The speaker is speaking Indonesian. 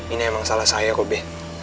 ini emang salah saya kok be